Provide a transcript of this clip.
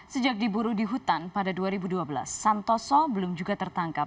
sejak diburu di hutan pada dua ribu dua belas santoso belum juga tertangkap